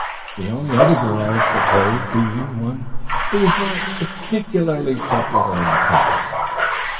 The only other girl proposed being one who was not particularly popular in the class.